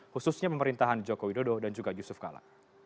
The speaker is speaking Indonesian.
khususnya pemerintahan jokowi dodo dan juga yusuf kalla